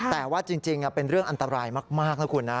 แต่ว่าจริงเป็นเรื่องอันตรายมากนะคุณนะ